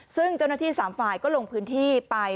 ซึ่งเจ้าหน้าที่๓ฝ่ายก็ลงพื้นที่ไป